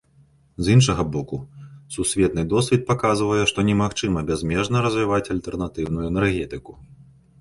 З іншага боку, сусветны досвед паказвае, што немагчыма бязмежна развіваць альтэрнатыўную энергетыку.